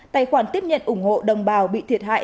tài khoản tiếp nhận ủng hộ đồng bào bị thiệt hại